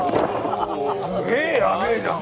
すげえやべえじゃん！